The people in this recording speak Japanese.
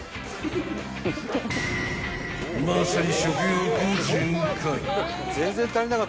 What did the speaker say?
［まさに］